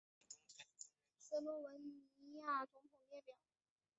斯洛文尼亚总统列表